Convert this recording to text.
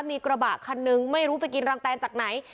มีกระบะคันนึงไม่รู้ไปกินรังแตนจากไหน